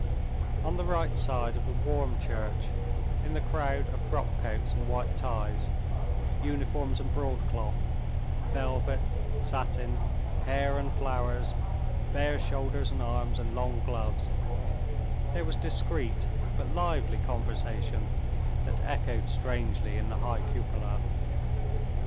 On the right side of the warm church, in the crowd of frock coats and white ties, uniforms and broadcloth, velvet, satin, hair and flowers, bare shoulders and arms and long gloves, there was discreet but lively conversation that echoed strangely in the high cupola.